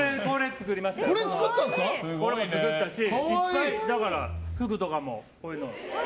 これも作ったし服とかも、こういうの。